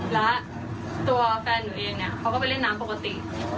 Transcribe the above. แล้วตัวแฟนหนูเองเนี่ยเขาก็ไปเล่นน้ำปกติ